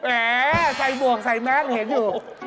ใส่หมวกใส่แมสเห็นอยู่